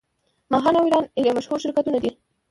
ماهان او ایران ایر مشهور شرکتونه دي.